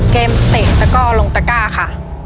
เกมเตะตะกร่อลงตะกร่าค่ะ